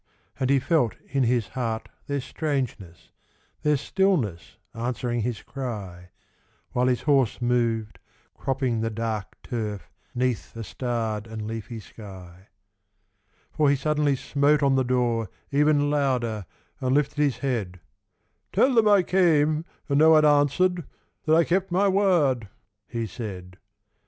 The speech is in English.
And he felt in his heart their strangeness, Their stillness answering his cry, While his horse moved, cropping the dark turf, 'Neath the starred and leafy sky; For he suddenly smote on the door, even Louder, and lifted his head: 'Tell them I came, and no one answered, That I kept my word,' he said.